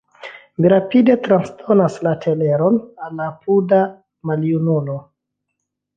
Mi rapide transdonas la teleron al la apuda maljunulo.